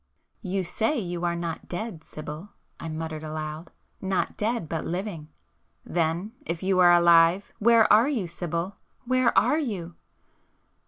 "You say you are not dead, Sibyl!" I muttered aloud—"Not dead, but living! Then, if you are alive, where are you, Sibyl?——where are you?"